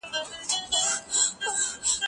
جارج واټسن د مسودي په اړه څه وايي؟